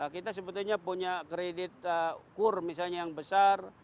kita sebetulnya punya kredit ukur misalnya yang besar